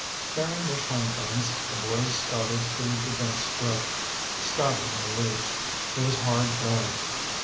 Carrying their swim fins, the boys started through the dense growth, Scotty in the lead. It was hard going.